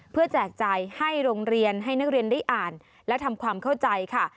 เพื่อแจกจ่ายให้โรงเรียนให้นักเรียนได้อ่านและทำความเข้าใจค่ะ